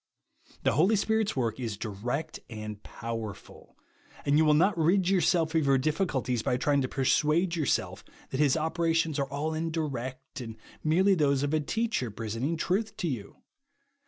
The Holy Spirit's work is direct and power ful ; and you will not rid yourself of your difficulties by trying to persuade yourself that his operations are all indirect, and merely those of a teacher presenting truth lo you.